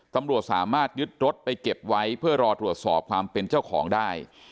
ตำรวจสามารถยึดรถไปเก็บไว้เพื่อรอตรวจสอบความเป็นเจ้าของได้